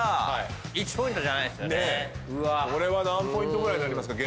これは何ポイントぐらいになりますか？